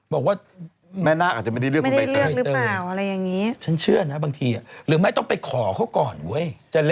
บอกว่าแม่นาคอาจจะไม่ได้เลือกคุณใบเตย